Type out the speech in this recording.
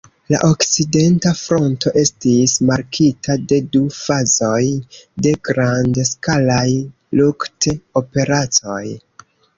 La Okcidenta Fronto estis markita de du fazoj de grand-skalaj lukt-operacoj.